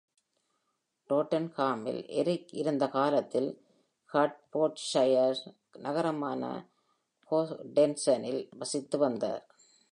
டோட்டன்ஹாமில் Eric இருந்த காலத்தில் Hertfordshire நகரமான ஹோடெஸ்டனில் வசித்து வந்தார்.